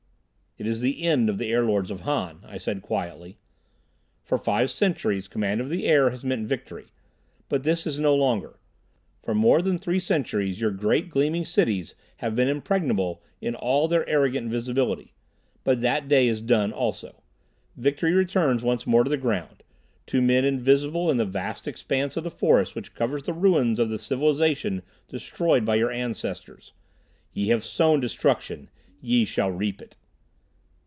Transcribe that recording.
"It is the end of the Air Lords of Han," I said quietly. "For five centuries command of the air has meant victory. But this is so no longer. For more than three centuries your great, gleaming cities have been impregnable in all their arrogant visibility. But that day is done also. Victory returns once more to the ground, to men invisible in the vast expanse of the forest which covers the ruins of the civilization destroyed by your ancestors. Ye have sown destruction. Ye shall reap it!